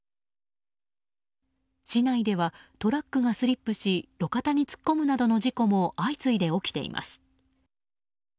市内では、トラックがスリップし路肩に突っ込むなどの事故も相次いで起きています。